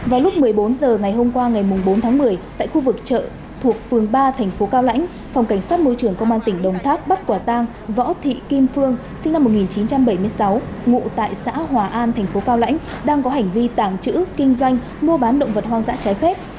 vào lúc một mươi bốn h ngày hôm qua ngày bốn tháng một mươi tại khu vực chợ thuộc phường ba thành phố cao lãnh phòng cảnh sát môi trường công an tỉnh đồng tháp bắt quả tang võ thị kim phương sinh năm một nghìn chín trăm bảy mươi sáu ngụ tại xã hòa an thành phố cao lãnh đang có hành vi tàng trữ kinh doanh mua bán động vật hoang dã trái phép